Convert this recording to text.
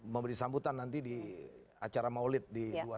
memberi sambutan nanti di acara mahasiswa